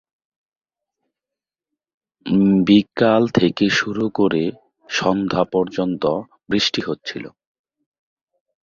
অনুষ্ঠানে সভাপতিত্ব করেন আর্য সমাজ হিউস্টনের আচার্য প্রেমচাঁদ শ্রীধর।